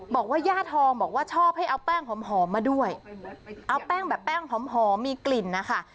บอกว่าย่าทองบอกว่าชอบให้เอาแป้งหอมมาด้วยเอาแป้งแบบแป้งหอมมีกลิ่นนะคะ